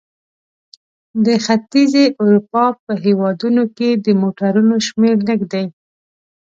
د ختیځې اروپا په هېوادونو کې د موټرونو شمیر لږ دی.